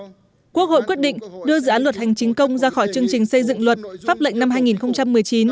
trước đó quốc hội quyết định đưa dự án luật hành chính công ra khỏi chương trình xây dựng luật pháp lệnh năm hai nghìn một mươi chín